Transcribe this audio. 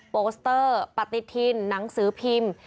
โปสเตอร์ปฏิทินหนังสือพิมพ์